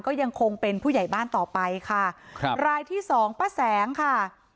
ก็ยังคงเป็นผู้ใหญ่บ้านต่อไปค่ะครับรายที่สองป้าแสงค่ะ